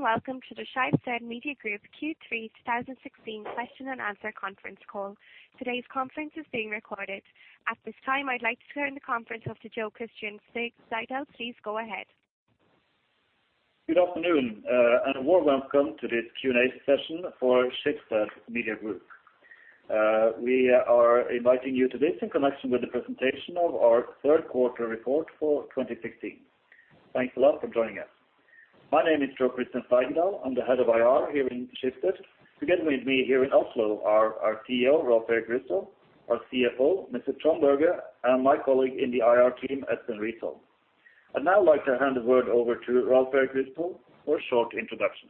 Good day, welcome to the Schibsted Media Group Q3 2016 question and answer conference call. Today's conference is being recorded. At this time, I'd like to turn the conference off to Jo Christian Steigedal. Please go ahead. Good afternoon, and a warm welcome to this Q&A session for Schibsted Media Group. We are inviting you to this in connection with the presentation of our 3rd quarter report for 2015. Thanks a lot for joining us. My name is Jo Christian Steigedal. I'm the Head of IR here in Schibsted. Together with me here in Oslo are our CEO, Rolv Erik Ryssdal, our CFO, Mr. Trond Berger, and my colleague in the IR team, Edson Riso. I'd now like to hand the word over to Rolv Erik Ryssdal for a short introduction.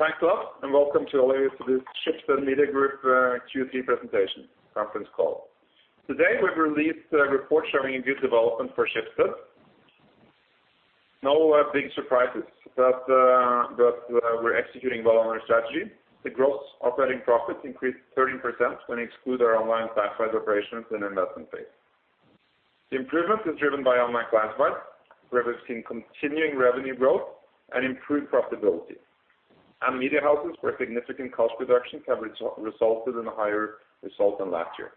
Thanks a lot, welcome to all of you to this Schibsted Media Group Q3 presentation conference call. Today, we've released a report showing a good development for Schibsted. No big surprises, we're executing well on our strategy. The gross operating profits increased 30% when exclude our online classified operations and investment base. The improvement is driven by online classified, where we've seen continuing revenue growth and improved profitability. Media houses where significant cost reductions have resulted in a higher result than last year.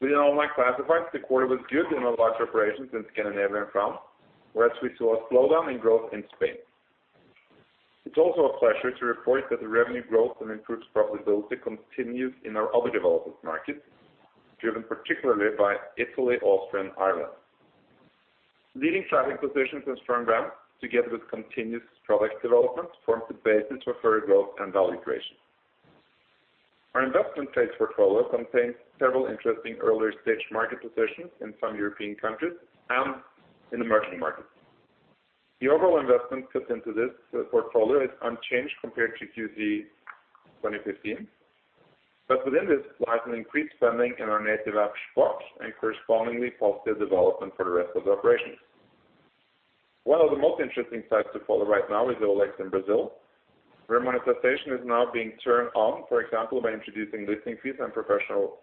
Within online classified, the quarter was good in our large operations in Scandinavia and France, whereas we saw a slowdown in growth in Spain. It's also a pleasure to report that the revenue growth and improved profitability continues in our other developed markets, driven particularly by Italy, Austria, and Ireland. Leading traffic positions and strong brands, together with continuous product development, forms the basis for further growth and value creation. Our investment-based portfolio contains several interesting earlier-stage market positions in some European countries and in emerging markets. The overall investment put into this portfolio is unchanged compared to Q3 2015. Within this lies an increased spending in our native app spots and correspondingly positive development for the rest of the operations. One of the most interesting sites to follow right now is OLX in Brazil, where monetization is now being turned on, for example, by introducing listing fees and for professional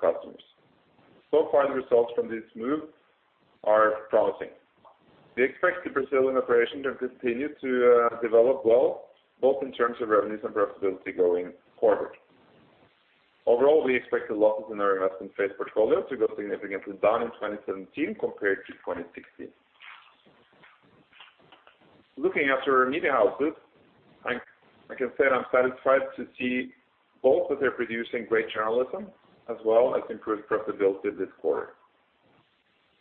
customers. So far, the results from this move are promising. We expect the Brazilian operations to continue to develop well, both in terms of revenues and profitability going forward. Overall, we expect the losses in our investment-based portfolio to go significantly down in 2017 compared to 2016. Looking after our media houses, I can say I'm satisfied to see both that they're producing great journalism as well as improved profitability this quarter.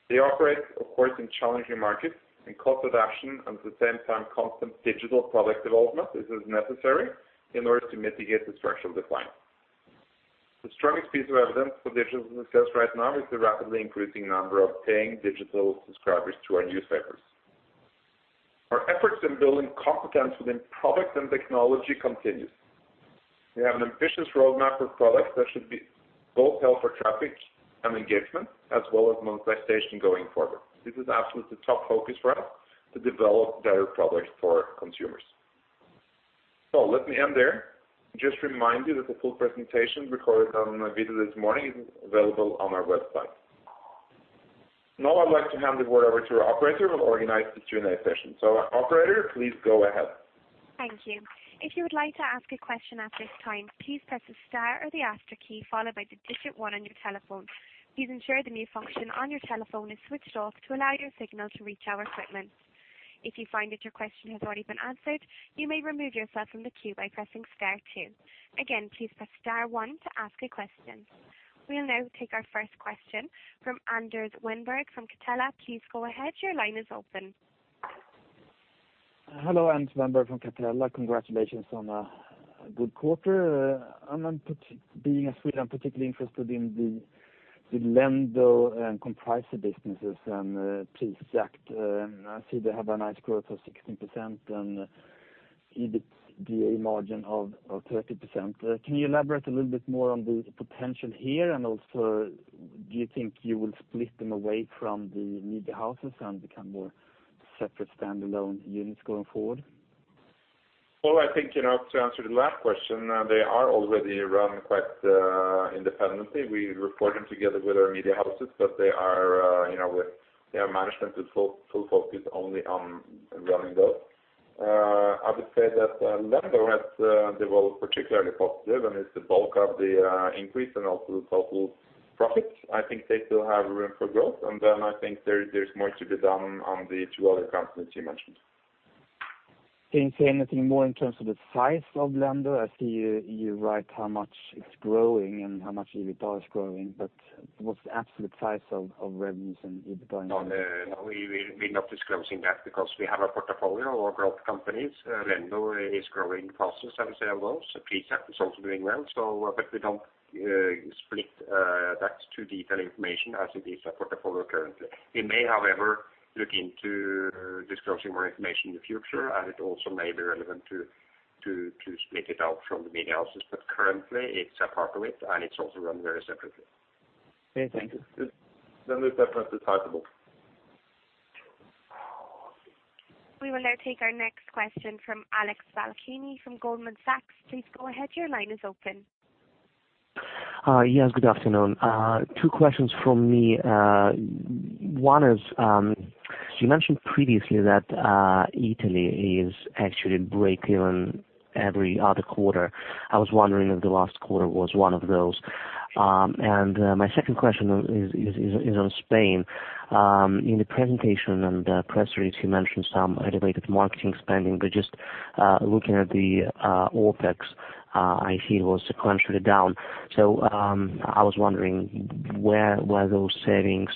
They operate, of course, in challenging markets and cost reduction, and at the same time, constant digital product development is as necessary in order to mitigate the structural decline. The strongest piece of evidence for digital success right now is the rapidly increasing number of paying digital subscribers to our newspapers. Our efforts in building competence within product and technology continues. We have an ambitious roadmap of products that both help for traffic and engagement as well as monetization going forward. This is absolutely the top focus for us, to develop better products for consumers. Let me end there. Just remind you that the full presentation recorded on my video this morning is available on our website. I'd like to hand the word over to our operator who will organize this Q&A session. Operator, please go ahead. Thank you. If you would like to ask a question at this time, please press the star or the asterisk key, followed by the digit one on your telephone. Please ensure the mute function on your telephone is switched off to allow your signal to reach our equipment. If you find that your question has already been answered, you may remove yourself from the queue by pressing star two. Again, please press star one to ask a question. We'll now take our first question from Anders Wennberg from Catella. Please go ahead. Your line is open. Hello, Anders Wennberg from Catella. Congratulations on a good quarter. Being a Swede, I'm particularly interested in the Lendo and Compricer businesses and Prisjakt. I see they have a nice growth of 16% and EBITDA margin of 30%. Can you elaborate a little bit more on the potential here? Do you think you will split them away from the media houses and become more separate standalone units going forward? I think, you know, to answer the last question, they are already run quite independently. We report them together with our media houses, but they are, you know, with their management is full focused only on running those. I would say that Lendo has developed particularly positive and is the bulk of the increase and also the total profit. I think they still have room for growth. I think there's more to be done on the 2 other companies you mentioned. Can you say anything more in terms of the size of Lendo? I see you write how much it's growing and how much EBITDA is growing. What's the absolute size of revenues and EBITDA? No, no, we're not disclosing that because we have a portfolio of growth companies. Lendo is growing fastest as a loan. Prisjakt is also doing well, but we don't split that too detailed information as it is a portfolio currently. We may, however, look into disclosing more information in the future, and it also may be relevant to split it out from the media houses. Currently, it's a part of it, and it's also run very separately. Okay, thank you. The numbers are pretty sizable. We will now take our next question from Alex Zalcini from Goldman Sachs. Please go ahead. Your line is open. Yes, good afternoon. 2 questions from me. One is, you mentioned previously that Italy is actually break even every other quarter. I was wondering if the last quarter was one of those. My second question is on Spain. In the presentation and the press release, you mentioned some elevated marketing spending, but just looking at the OpEx, I feel was sequentially down. I was wondering where those savings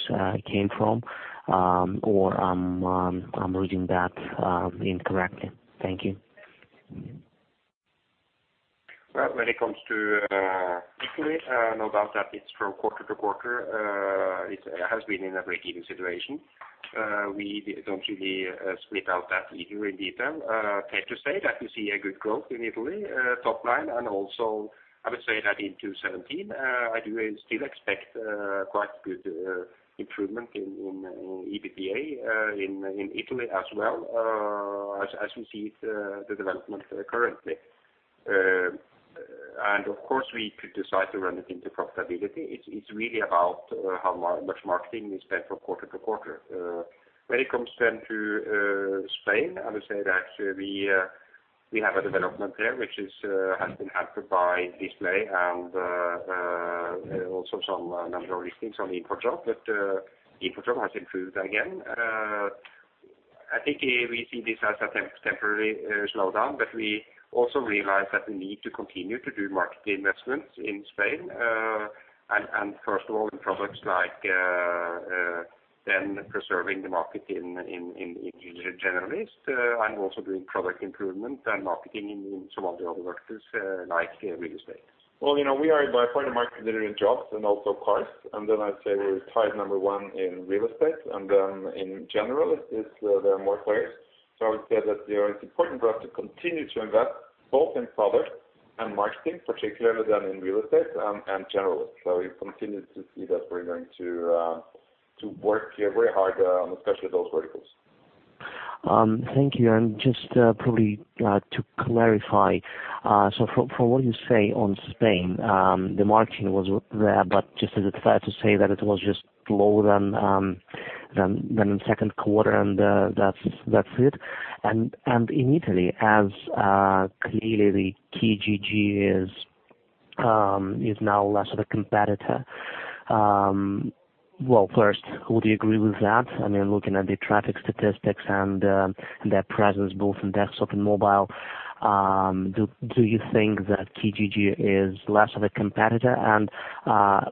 came from, or I'm reading that incorrectly. Thank you. Well, when it comes to Italy, no doubt that it's from quarter-to-quarter. It has been in a break-even situation. We don't really split out that in detail. Fair to say that we see a good growth in Italy, top line, and also I would say that in 2017, I do still expect quite good improvement in EBITA, in Italy as well, as we see the development currently. Of course, we could decide to run it into profitability. It's really about how much marketing is spent from quarter-to-quarter. When it comes then to Spain, I would say that we have a development there, which is has been hampered by display and also some number of listings on Import Job. InfoJob has improved again. I think we see this as a temporary slowdown, but we also realize that we need to continue to do marketing investments in Spain. First of all, in products like then preserving the market in generalist, and also doing product improvement and marketing in some of the other verticals, like real estate. Well, you know, we are by far the market leader in jobs and also cars. Then I'd say we're tied number one in real estate, and then in generalist there are more players. I would say that it's important for us to continue to invest both in product and marketing, particularly then in real estate, and generalist. You continue to see that we're going to work very hard on especially those verticals. Thank you. Just, probably, to clarify, from what you say on Spain, the margin was there, but is it fair to say that it was just lower than in second quarter, that's it? In Italy, as clearly TGG is now less of a competitor. Well, first, would you agree with that? I mean, looking at the traffic statistics and their presence both in desktop and mobile, do you think that TGG is less of a competitor?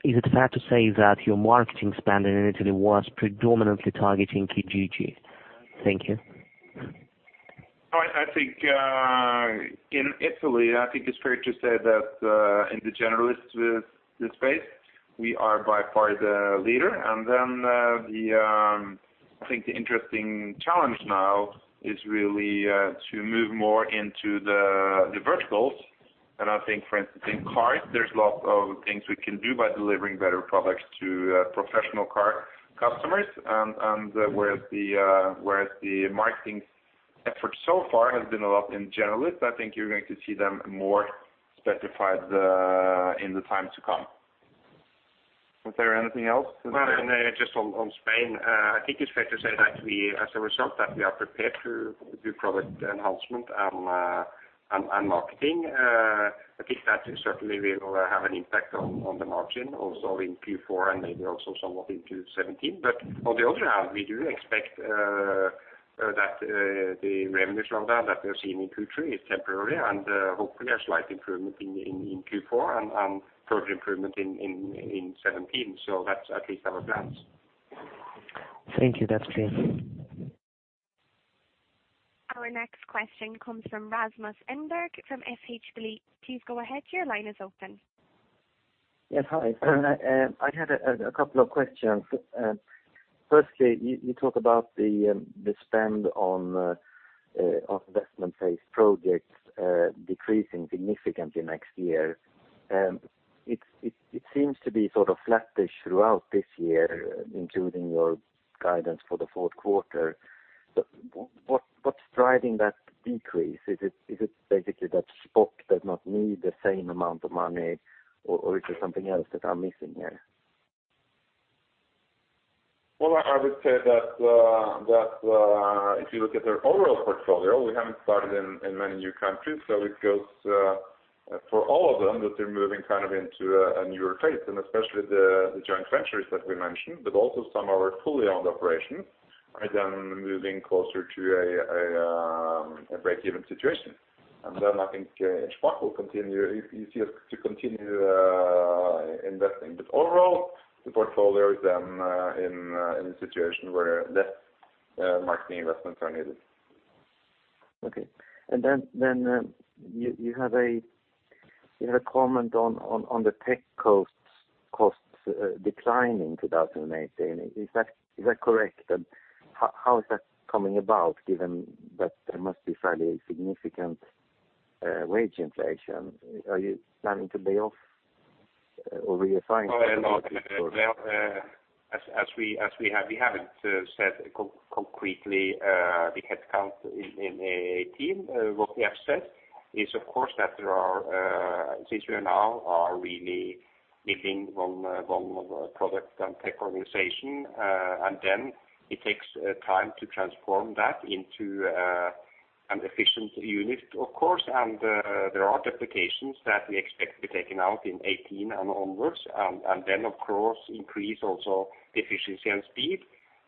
Is it fair to say that your marketing spend in Italy was predominantly targeting TGG? Thank you. I think in Italy, I think it's fair to say that in the generalist space, we are by far the leader. I think the interesting challenge now is really to move more into the verticals. I think for instance, in cars, there's lots of things we can do by delivering better products to professional car customers and where the marketing effort so far has been a lot in generalist. I think you're going to see them more specified in the time to come. Was there anything else? Just on Spain. I think it's fair to say that we as a result, that we are prepared to do product enhancement and marketing. I think that certainly will have an impact on the margin also in Q4 and maybe also somewhat in 2017. On the other hand, we do expect that the revenues from that we're seeing in Q3 is temporary and, hopefully a slight improvement in Q4 and further improvement in 2017. That's at least our plans. Thank you. That's clear. Our next question comes from Rasmus Engberg from FH Bleek. Please go ahead. Your line is open. Yes. Hi. I had a couple of questions. Firstly, you talk about the spend on investment-based projects decreasing significantly next year. It seems to be sort of flattish throughout this year, including your guidance for the fourth quarter. What's driving that decrease? Is it basically that Shpock does not need the same amount of money or is it something else that I'm missing here? I would say that if you look at their overall portfolio, we haven't started in many new countries. It goes for all of them, that they're moving kind of into a newer phase, and especially the joint ventures that we mentioned, but also some of our fully owned operations are then moving closer to a break-even situation. I think each spot will continue easier to continue investing. Overall, the portfolio is then in a situation where less marketing investments are needed. Okay. Then you have a comment on the tech costs decline in 2018. Is that correct? How is that coming about, given that there must be fairly significant wage inflation? Are you planning to lay off or reassign- As we haven't said concretely the headcount in team. What we have said is, of course, that there are since we now are really making one product and tech organization, and then it takes time to transform that into an efficient unit, of course. There are duplications that we expect to be taken out in 18 and onwards, and then of course increase also efficiency and speed.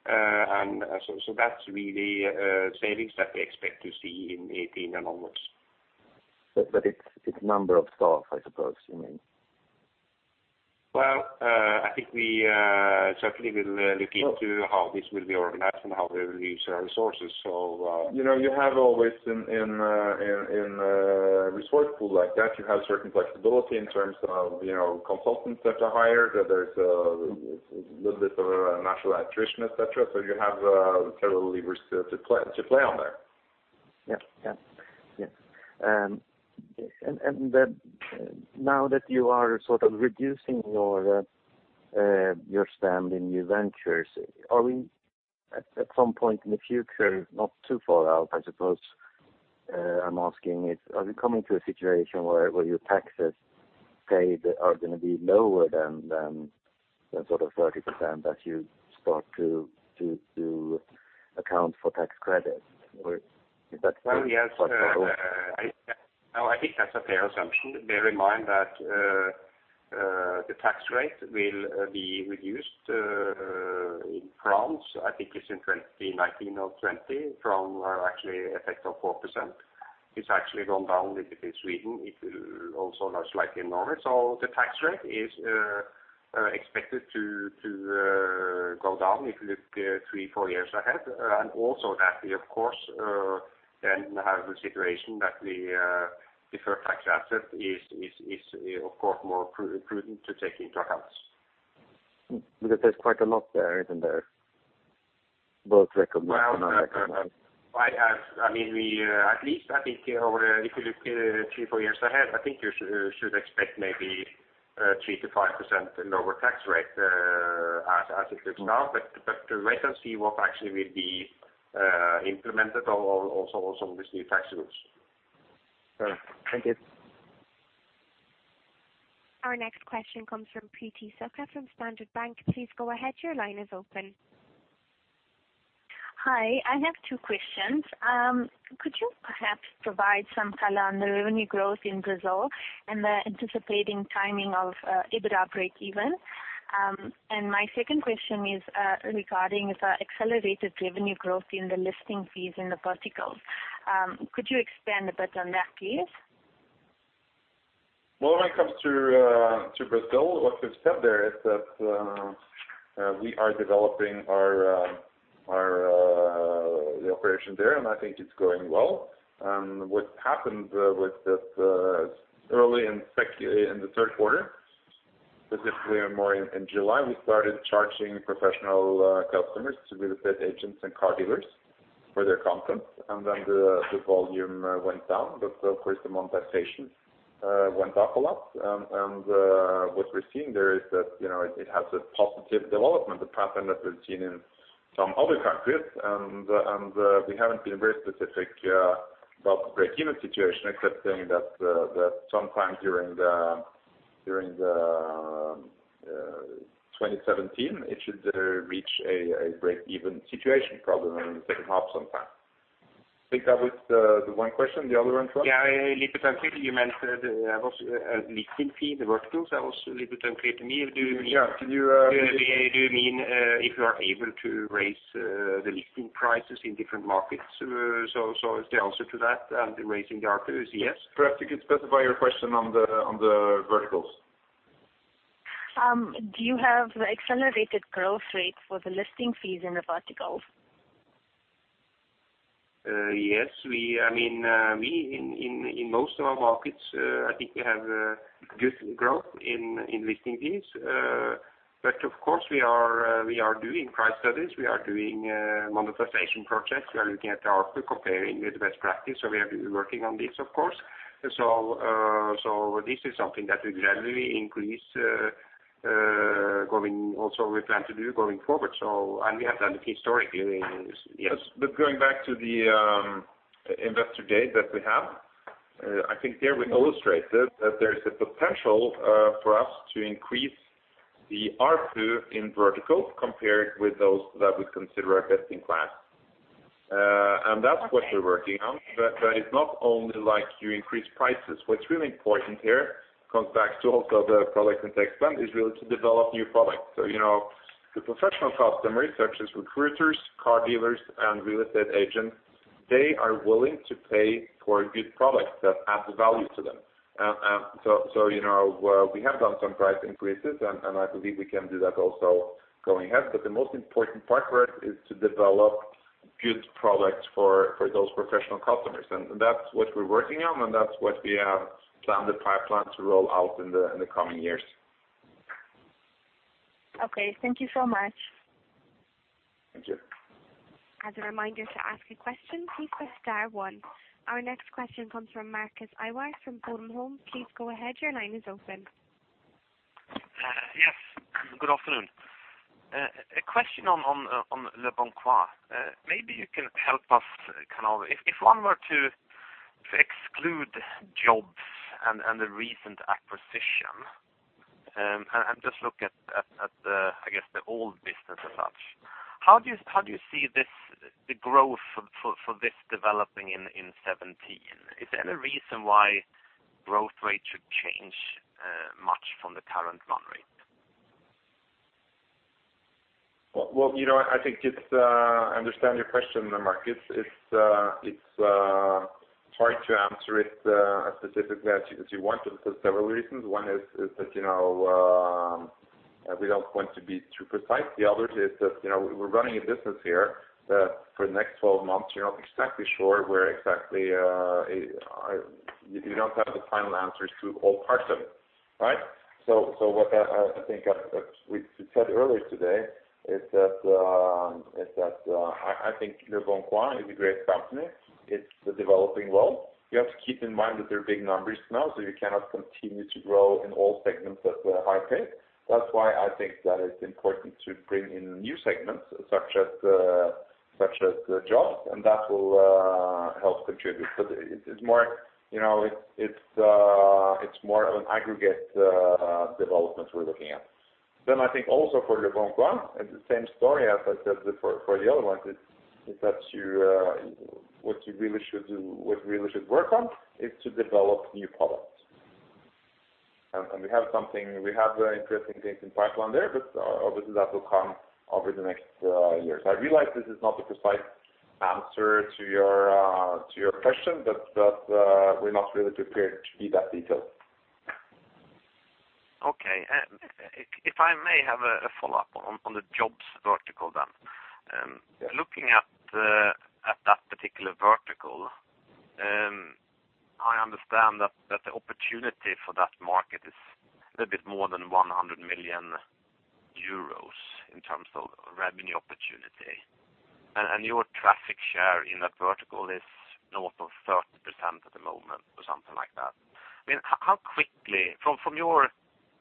That's really savings that we expect to see in 18 and onwards. It's number of staff, I suppose you mean? I think we certainly will look into how this will be organized and how we will use our resources. You know, you have always in a resource pool like that, you have certain flexibility in terms of, you know, consultants that are hired. There's a little bit of a natural attrition, et cetera. You have several levers to play on there. Yeah. Now that you are sort of reducing your spend in new ventures, are we at some point in the future, not too far out, I suppose, I'm asking is, are we coming to a situation where your taxes paid are gonna be lower than the sort of 30% as you start to account for tax credits, or is that? Well, yes. -possible? No, I think that's a fair assumption. Bear in mind that the tax rate will be reduced in France, I think it's in 2019 or 2020 from actually effect of 4%. It's actually gone down a little bit in Sweden. It will also now slightly in Norway. The tax rate is expected to go down if you look 3, 4 years ahead. Also that we of course then have a situation that we defer tax assets is of course more prudent to take into account. There's quite a lot there, isn't there? Both recognized and unrecognized. Well, I mean, at least I think over if you look 3-4 years ahead, I think you should expect maybe 3%-5% lower tax rate as it is now. Wait and see what actually will be implemented on also with new tax rules. Thank you. Our next question comes from Preeti Sukha from Standard Bank. Please go ahead. Your line is open. Hi. I have 2 questions. Could you perhaps provide some color on the revenue growth in Brazil and the anticipating timing of EBITDA breakeven? My second question is regarding the accelerated revenue growth in the listing fees in the verticals. Could you expand a bit on that, please? Well, when it comes to Brazil, what we've said there is that we are developing our the operation there, and I think it's going well. What happened with that early in the third quarter, specifically more in July, we started charging professional customers, so real estate agents and car dealers for their content. The volume went down, but of course the monetization went up a lot. What we're seeing there is that, you know, it has a positive development, the pattern that we've seen in some other countries. We haven't been very specific about the breakeven situation, except saying that sometime during the 2017, it should reach a breakeven situation probably in the second half sometime. I think that was the 1 question, the other one as well? Yeah. A little bit unclear, you mentioned, also, listing fee, the verticals, that was a little bit unclear to me. Do you mean- Yeah. Can you. Do you mean, if you are able to raise the listing prices in different markets? Is the answer to that, raising the ARPU is yes? Perhaps you could specify your question on the verticals. Do you have accelerated growth rate for the listing fees in the verticals? Yes. I mean, we in most of our markets, I think we have good growth in listing fees. Of course, we are doing price studies, we are doing monetization projects. We are looking at ARPU comparing with best practice. We have been working on this of course. This is something that we gradually increase, also we plan to do going forward. We have done it historically. Yes. Going back to the investor day that we have, I think there we illustrated that there's a potential for us to increase the ARPU in verticals compared with those that we consider a best in class. That's what we're working on. Okay. That is not only like you increase prices. What's really important here comes back to also the product and tech spend is really to develop new products. You know, the professional customers such as recruiters, car dealers, and real estate agents, they are willing to pay for a good product that adds value to them. So you know, we have done some price increases and I believe we can do that also going ahead. The most important part for us is to develop good products for those professional customers. That's what we're working on, and that's what we have planned the pipeline to roll out in the coming years. Okay. Thank you so much. Thank you. As a reminder, to ask a question, please press star one. Our next question comes from Marcus Ivar from Bodenholm. Please go ahead. Your line is open. Yes. Good afternoon. A question on leboncoin. Maybe you can help us kind of... If, if one were to exclude jobs and the recent acquisition, and just look at the, I guess the old business as such, how do you how do you see this, the growth for, for this developing in 2017? Is there any reason why growth rate should change much from the current run rate? Well, you know, I think it's, I understand your question, Marcus. It's hard to answer it as specifically as you want to for several reasons. 1 is that, you know, we don't want to be too precise. The other is that, you know, we're running a business here that for the next 12 months, you're not exactly sure where exactly you don't have the final answers to all parts of it, right? What I think, as we said earlier today, is that I think leboncoin is a great company. It's developing well. You have to keep in mind that they're big numbers now, so you cannot continue to grow in all segments at a high pace. That's why I think that it's important to bring in new segments such as jobs, and that will help contribute. It's more, you know, it's more of an aggregate development we're looking at. I think also for leboncoin, it's the same story as I said it for the other ones, is that you, what you really should do, what you really should work on is to develop new products. We have very interesting things in pipeline there, but obviously that will come over the next years. I realize this is not a precise answer to your to your question, but that we're not really prepared to be that detailed. Okay. if I may have a follow-up on the jobs vertical then. Yeah. Looking at that particular vertical, I understand that the opportunity for that market is a little bit more than 100 million euros in terms of revenue opportunity. Your traffic share in that vertical is north of 30% at the moment or something like that. I mean, how quickly... From your,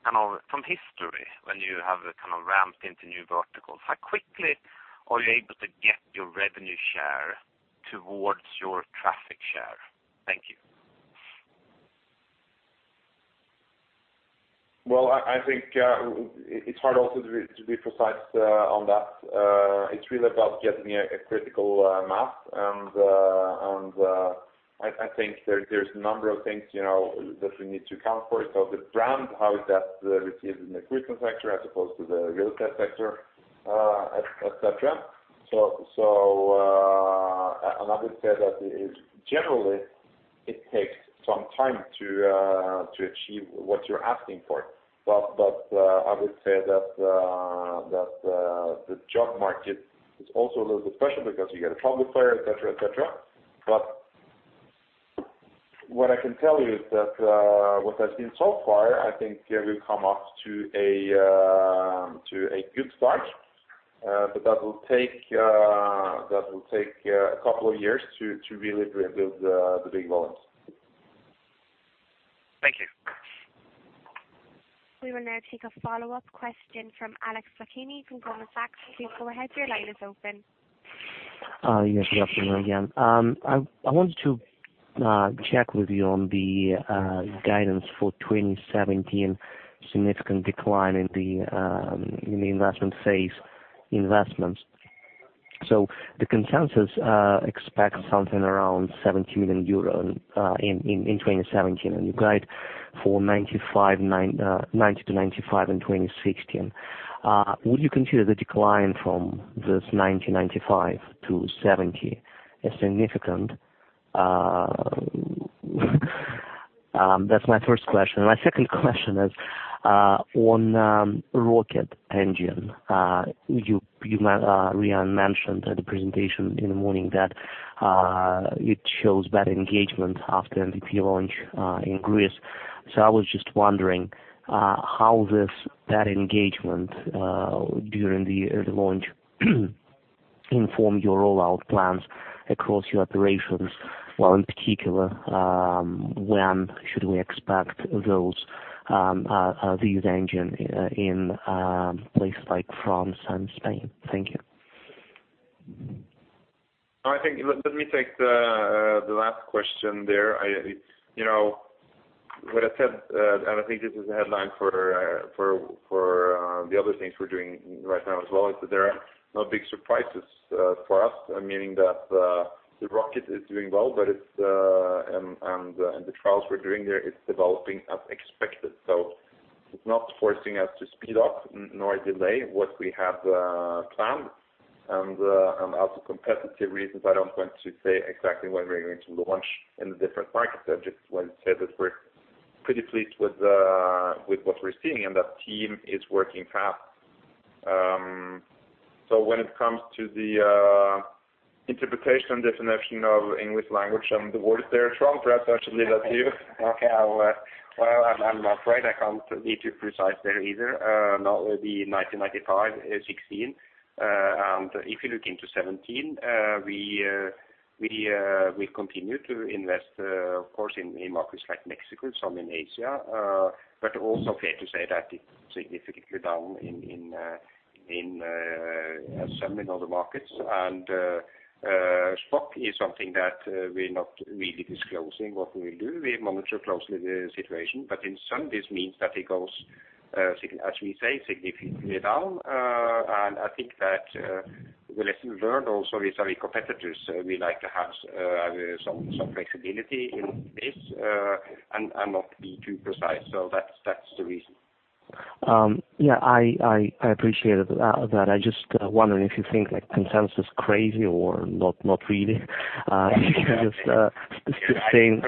kind of from history, when you have kind of ramped into new verticals, how quickly are you able to get your revenue share towards your traffic share? Thank you. Well, I think it's hard also to be precise on that. It's really about getting a critical mass. I think there's a number of things, you know, that we need to account for. The brand, how is that received in the recruitment sector as opposed to the real estate sector, et cetera. I would say that it generally it takes some time to achieve what you're asking for. I would say that the job market is also a little bit special because you get a troubled player, et cetera, et cetera. What I can tell you is that what I've seen so far, I think we've come up to a good start. That will take a couple of years to really build the big volumes. Thank you. We will now take a follow-up question from Alex Pochini from Goldman Sachs. Please go ahead. Your line is open. Yes. Good afternoon again. I wanted to check with you on the guidance for 2017 significant decline in the in the investment phase investments. The consensus expects something around 70 million euro in 2017, and you guide for 90-95 million in 2016. Would you consider the decline from this 90-95 million to 70 million as significant? That's my first question. My second question is on Rocket Internet. Rian mentioned at the presentation in the morning that it shows better engagement after MVP launch in Greece. I was just wondering how this, that engagement during the early launch inform your rollout plans across your operations. In particular, when should we expect those, this engine in, places like France and Spain? Thank you. Let me take the last question there. I, you know what I said, and I think this is the headline for the other things we're doing right now as well, is that there are no big surprises for us, meaning that the Rocket is doing well, but the trials we're doing there is developing as expected. It's not forcing us to speed up nor delay what we have planned. Out of competitive reasons, I don't want to say exactly when we're going to launch in the different markets. I just want to say that we're pretty pleased with what we're seeing, and the team is working fast. When it comes to the Interpretation and definition of English language and the words there, Trump, perhaps I should leave that to you. Okay. I'll. Well, I'm afraid I can't be too precise there either. No, it would be 1995, 16. If you look into 17, we've continued to invest, of course in markets like Mexico, some in Asia. Also fair to say that it's significantly down in some in other markets. Shpock is something that we're not really disclosing what we'll do. We monitor closely the situation, but in sum, this means that it goes, as we say, significantly down. I think that the lesson learned also is our competitors. We like to have some flexibility in this, and not be too precise. That's the reason. yeah, I appreciate it. that I just wondering if you think like consensus is crazy or not really. just saying.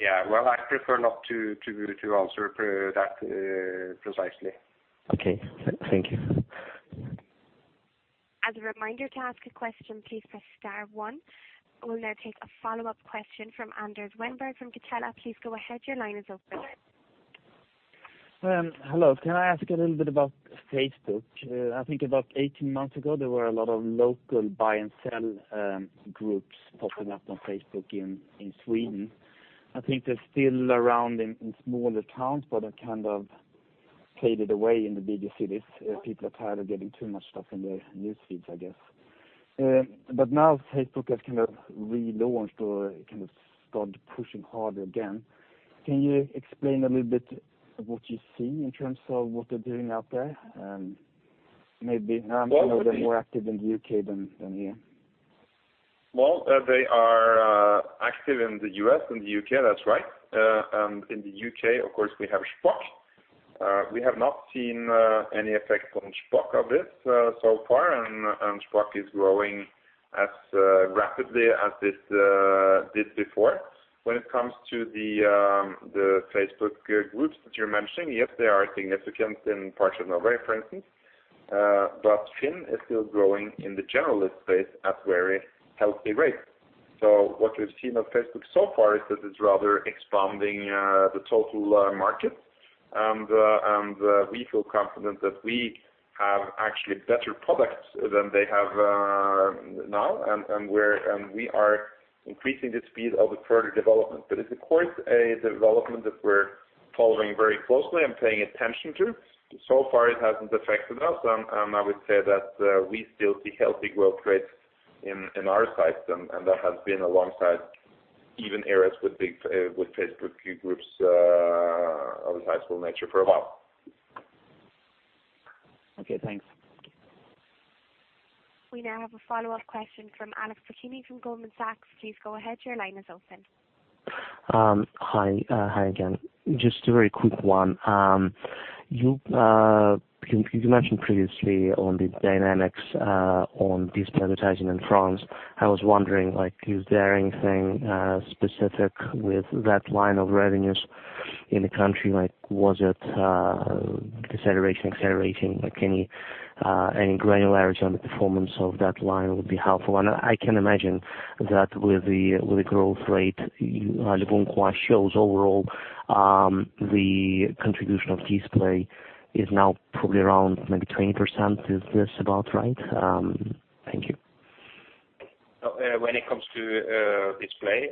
Yeah. Well, I prefer not to answer that precisely. Okay. Thank you. As a reminder, to ask a question, please press star one. We'll now take a follow-up question from Anders Wennberg from Catella. Please go ahead. Your line is open. Hello. Can I ask a little bit about Facebook? I think about 18 months ago, there were a lot of local buy and sell groups popping up on Facebook in Sweden. I think they're still around in smaller towns, but they've kind of faded away in the bigger cities. People are tired of getting too much stuff in their news feeds, I guess. Now Facebook has kind of relaunched or kind of started pushing harder again. Can you explain a little bit what you see in terms of what they're doing out there? Well. I know they're more active in the U.K. than here. They are active in the U.S. and the U.K., that's right. In the U.K., of course, we have Shpock. We have not seen any effect on Shpock of this so far. Shpock is growing as rapidly as it did before. When it comes to the Facebook groups that you're mentioning, yes, they are significant in parts of Norway, for instance. FINN is still growing in the general list space at very healthy rate. What we've seen on Facebook so far is that it's rather expanding the total market. We feel confident that we have actually better products than they have now. We are increasing the speed of the further development. It's of course, a development that we're following very closely and paying attention to. So far it hasn't affected us. I would say that we still see healthy growth rates in our sites. That has been alongside even areas with big with Facebook few groups of a sizable nature for a while. Okay, thanks. We now have a follow-up question from Alex Pochini from Goldman Sachs. Please go ahead. Your line is open. Hi again. Just a very quick one. You mentioned previously on the dynamics on display advertising in France. I was wondering, like, is there anything specific with that line of revenues in the country? Was it deceleration, accelerating? Any granularity on the performance of that line would be helpful. I can imagine that with the growth rate, you leboncoin shows overall, the contribution of display is now probably around maybe 20%. Is this about right? Thank you. When it comes to display,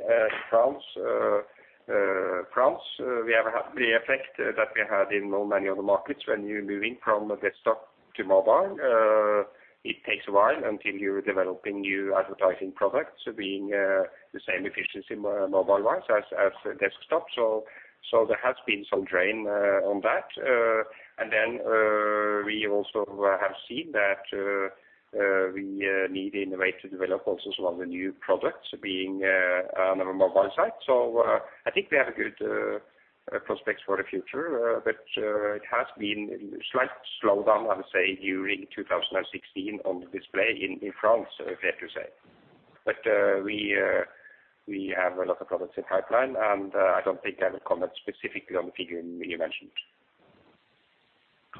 France, we have the effect that we had in no many other markets when you're moving from a desktop to mobile. It takes a while until you're developing new advertising products being the same efficiency mobile wise as desktop. There has been some drain on that. We also have seen that we need innovate to develop also some of the new products being on our mobile site. I think we have a good prospects for the future. It has been slight slowdown, I would say, during 2016 on the display in France, fair to say. We have a lot of products in pipeline, and I don't think I will comment specifically on the figure you mentioned.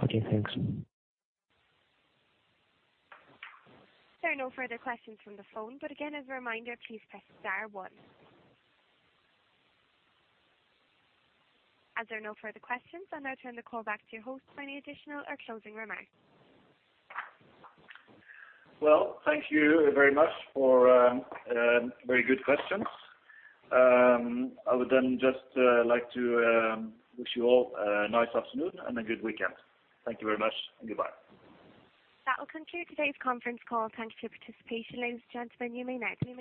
Okay, thanks. There are no further questions from the phone. Again, as a reminder, please press star one. As there are no further questions, I now turn the call back to your host for any additional or closing remarks. Well, thank you very much for very good questions. I would just like to wish you all a nice afternoon and a good weekend. Thank you very much and goodbye. That will conclude today's conference call. Thank Thank you for your participation. Ladies and gentlemen, you may now disconnect.